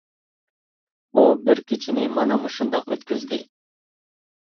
ئۇ بىر كېچىنى مانا مۇشۇنداق ئۆتكۈزدى.